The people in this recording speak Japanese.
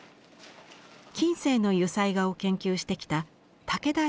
近世の油彩画を研究してきた武田恵理さんです。